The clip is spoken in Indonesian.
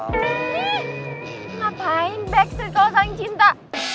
ih ngapain backstreet kalau saling cinta